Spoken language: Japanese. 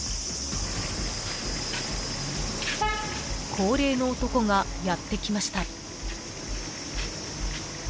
［高齢の男がやって来ました］